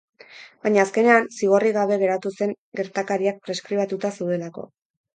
Baina azkenean, zigorrik gabe geratu zen gertakariak preskribatuta zeudelako.